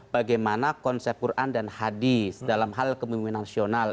bagaimana konsep quran dan hadis dalam hal kemimpinan nasional